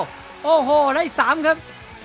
สวัสดีครับ